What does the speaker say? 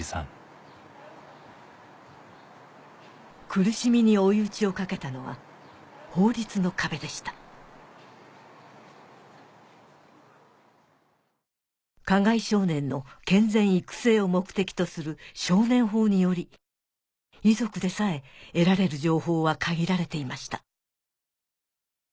苦しみに追い打ちをかけたのは法律の壁でした加害少年の健全育成を目的とする少年法により遺族でさえ得られる情報は限られていました